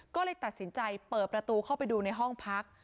ก็เลยตัดสินใจเปิดประตูเข้าไปดูในห้องพัก